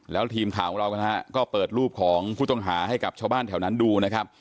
แล้วทีมข่าวของเรานะฮะก็เปิดรูปของผู้ต้องหาให้กับชาวบ้านแถวนั้นดูนะครับ